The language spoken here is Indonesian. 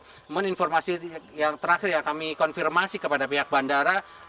namun informasi yang terakhir yang kami konfirmasi kepada pihak bandara